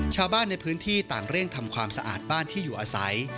ชาวบ้านในพื้นที่ต่างเร่งทำความสะอาดบ้านที่อยู่อาศัย